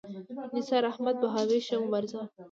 نثار احمد بهاوي ښه مبارز و.